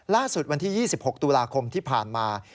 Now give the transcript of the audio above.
ล่าสุดวันที่๒๖ตุลาคมที่ผ่านมา